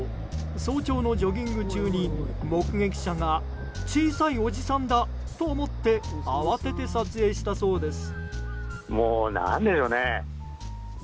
早朝のジョギング中に目撃者が小さいおじさんだと思って慌てて撮影したそうです。